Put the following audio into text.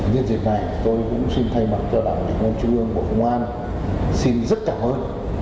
nhân dân này tôi cũng xin thay mặt cho đảng đồng chú ương của công an xin rất cảm ơn